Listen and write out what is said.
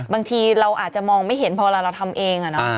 บางทีเราอาจจะมองไม่เห็นเพราะเราทำเองอะเนอะ